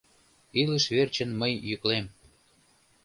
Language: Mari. Илыш верчын мый йӱклем.